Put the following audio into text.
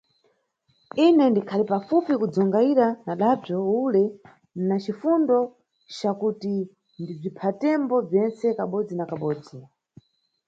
Ine, ndikhali pafupi kudzungayira na mʼdabwo ule na cifundo cakuti ndibziphatembo bzentse kabodzi na kabodzi!